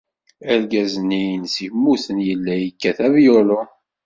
Argaz-nni-ines yemmuten yella yekkat avyulu.